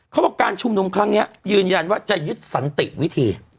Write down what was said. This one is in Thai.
เขาบอกการชุมนุมครั้งนี้ยืนยันว่าจะยึดสันติวิธี